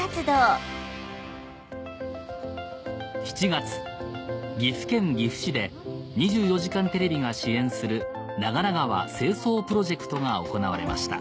７月岐阜県岐阜市で『２４時間テレビ』が支援する長良川清掃プロジェクトが行われました